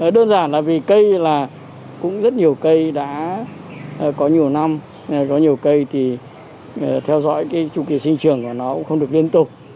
đơn giản là vì cây là cũng rất nhiều cây đã có nhiều năm có nhiều cây thì theo dõi cái chu kỳ sinh trường của nó cũng không được liên tục